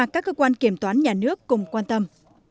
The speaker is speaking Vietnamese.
các cơ quan kiểm toán nhà nước cùng quan tâm